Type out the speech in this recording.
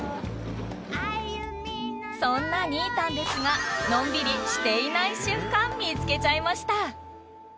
そんなニータンですがのんびりしていない瞬間見つけちゃいました